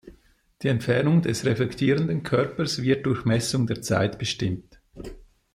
Die Entfernung des reflektierenden Körpers wird durch Messung der Zeit bestimmt.